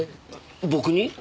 僕に？